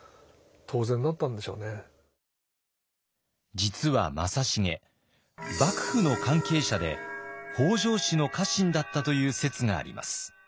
実は正成幕府の関係者で北条氏の家臣だったという説があります。